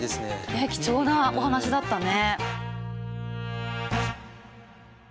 ねっ貴重なお話だったね。